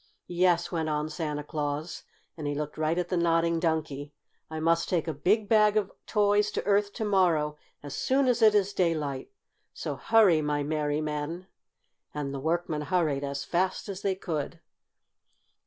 "Yes," went on Santa Claus, and he looked right at the Nodding Donkey, "I must take a big bag of toys to Earth to morrow, as soon as it is daylight. So hurry, my merry men!" And the workmen hurried as fast as they could.